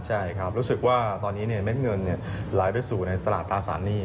ใช่ครับรู้สึกว่าตอนนี้เม็ดเงินไหลไปสู่ในตลาดตราสารหนี้